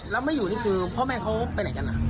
แล้วไม่อยู่นี่คือพ่อแม่เขาไปไหนกัน